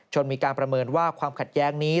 มีการประเมินว่าความขัดแย้งนี้